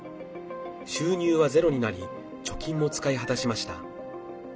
収入はゼロになり貯金も使い果たしました。